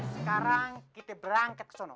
sekarang kita berangkat kesana